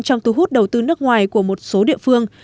trong thu hút đầu tư nước ngoài của một số địa phương